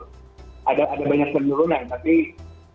jadi saya rasa memang ada banyak pemain yang bisa dicoba oleh coach ibrahimi